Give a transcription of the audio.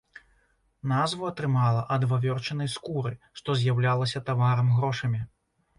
Назву атрымала ад вавёрчынай скуры, што з'яўлялася таварам-грошамі.